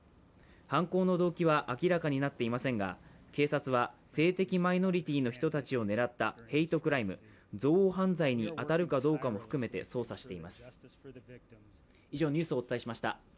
犯行の動機は明らかになっていませんが警察は性的マイノリティーの人たちを狙ったヘイトクライム＝憎悪犯罪に当たるかどうかも含めて捜査しています。